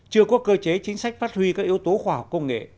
chưa có cơ chế chính sách phát huy các yếu tố khoa học công nghệ